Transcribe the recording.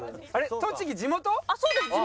栃木地元？